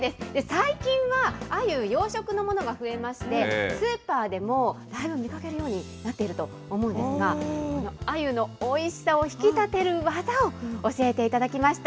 最近はあゆ、養殖のものが増えまして、スーパーでもだいぶ見かけるようになっていると思うんですが、このあゆのおいしさを引き立てる技を教えていただきました。